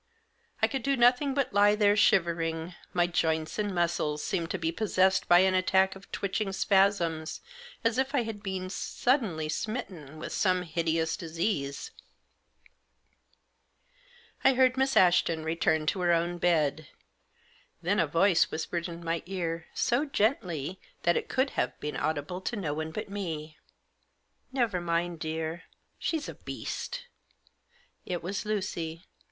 I could do nothing but He there shivering ; my joints and muscles seemed to be possessed by an attack of twitching spasms, as if I had been suddenly smitten with some hideous disease. I heard Miss Ashton return to her own bed. Then a voice whispered in my ear, so gently that it could have been audible to no one but me —" Never mind, dear. She's a beast I " It was Lucy.